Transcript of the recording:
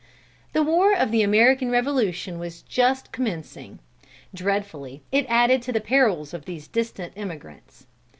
The war of the American Revolution was just commencing. Dreadfully it added to the perils of these distant emigrants.